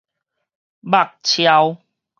肉搜